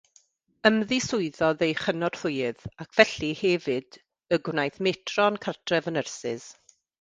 Ymddiswyddodd ei chynorthwyydd ac felly hefyd y gwnaeth metron cartref y nyrsys.